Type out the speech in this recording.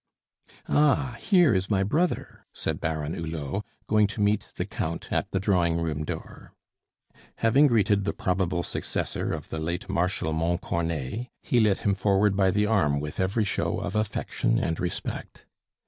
"Ah, here is my brother!" said Baron Hulot, going to meet the Count at the drawing room door. Having greeted the probable successor of the late Marshal Montcornet, he led him forward by the arm with every show of affection and respect.